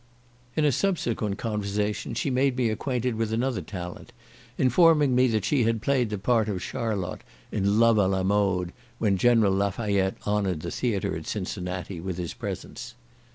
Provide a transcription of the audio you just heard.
In a subsequent conversation she made me acquainted with another talent, informing me that she had played the part of Charlotte, in Love à la mode, when General Lafayette honoured the theatre at Cincinnati with his presence.